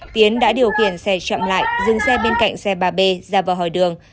tiến đã điều khiển xe chậm lại dừng xe bên cạnh xe bà b ra vào hỏi đường